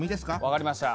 分かりました。